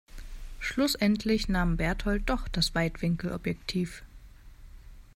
Schlussendlich nahm Bertold doch das Weitwinkelobjektiv.